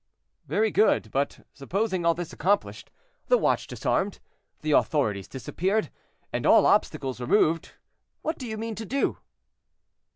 "Very good; but supposing all this accomplished, the watch disarmed, the authorities disappeared, and all obstacles removed, what do you mean to do?"